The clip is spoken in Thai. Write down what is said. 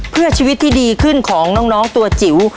เพื่อชีวิตที่ดีขึ้นของน้องตัวจิ๋ว